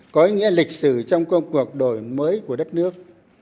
có ý nghĩa lịch sử trong công cuộc đổi mới của đất nước